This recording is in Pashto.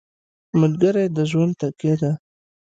ملګری د ژوند تکیه ده.